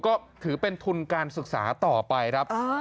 ก็ถือเป็นทุนการศึกษาต่อไปครับ